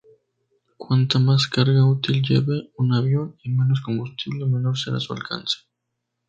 Cuanta más carga útil lleve un avión y menos combustible, menor será su alcance.